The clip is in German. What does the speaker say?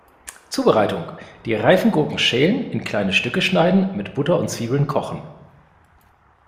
Zubereitung: die reifen Gurken schälen, in kleine Stücke schneiden, mit Butter und Zwiebeln kochen.